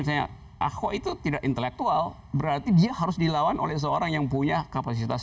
misalnya ahok itu tidak intelektual berarti dia harus dilawan oleh seorang yang punya kapasitas